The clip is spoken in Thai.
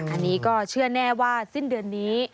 อันนี้ก็เชื่อแน่ว่าสิ้นเดือนนี้